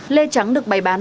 lê trắng được bày bán